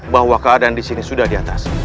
bahwa keadaan disini sudah diatas